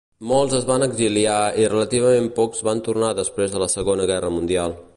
Molts es van exiliar i relativament pocs van tornar després de la Segona Guerra Mundial.